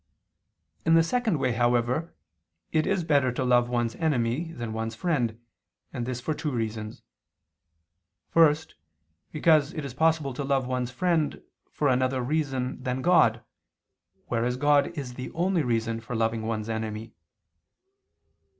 In the second way, however, it is better to love one's enemy than one's friend, and this for two reasons. First, because it is possible to love one's friend for another reason than God, whereas God is the only reason for loving one's enemy.